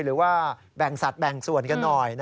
หรือว่าแบ่งสัตว์แบ่งส่วนกันหน่อย